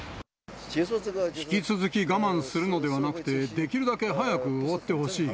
引き続き我慢するのではなくて、できるだけ早く終わってほしい。